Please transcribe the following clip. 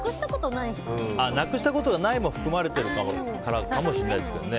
なくしたことないも含まれてるからかもしれないですね。